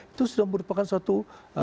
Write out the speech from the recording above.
itu sudah merupakan suatu